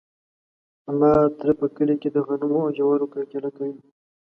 زما تره په کلي کې د غنمو او جوارو کرکیله کوي.